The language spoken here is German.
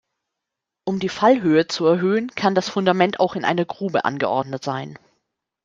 Um die Fallhöhe zu erhöhen, kann das Fundament auch in einer Grube angeordnet sein.